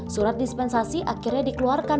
surat dispensasi akhirnya dikelakukan